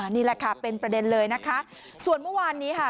นี่แหละค่ะเป็นประเด็นเลยนะคะส่วนเมื่อวานนี้ค่ะ